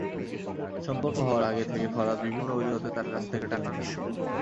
সম্পর্ক হওয়ার আগে থেকেই ফরহাদ বিভিন্ন অজুহাতে তাঁর কাছ থেকে টাকা নিতেন।